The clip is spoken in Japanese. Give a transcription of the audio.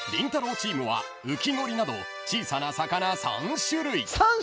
チームはウキゴリなど小さな魚３種類］